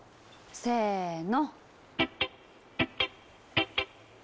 せの！